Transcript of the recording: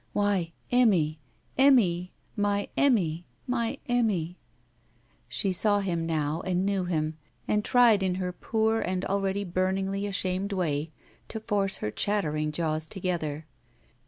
"Why, Emmy — Emmy — my Emmy — my Emmy —" She saw him now and knew him, and tried in her poor and aheady bumingly ashamed way to force her chattering jaws together.